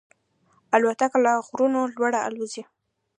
الوتکه له غرونو لوړ الوزي.